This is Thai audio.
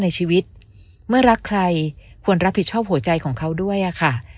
ในชีวิตเมื่อรักใครควรรับผิดชอบหัวใจของเขาด้วยอะค่ะ